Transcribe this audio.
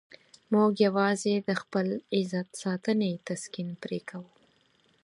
موږ یوازې د خپل عزت ساتنې تسکین پرې کوو.